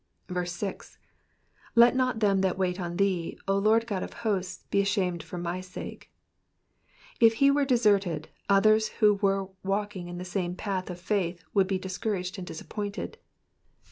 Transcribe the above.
6. ^^Let not them that wait on thee, 0 Lord Ood of hosts, be ashamed for my sake,'''* If he were deserted, others who were walking in the same path of faith would be discouraged and disappointed.